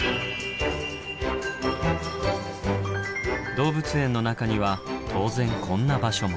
動物園の中には当然こんな場所も。